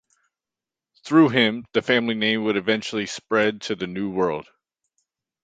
Through him the family name would eventually spread to the new world.